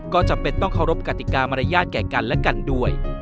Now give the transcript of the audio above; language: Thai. ก็จำเป็นต้องเคารพกติกามารยาทแก่กันและกันด้วย